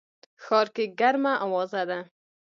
ښار کي ګرمه اوازه ده